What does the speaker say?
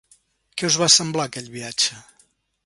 Què us va semblar aquell viatge?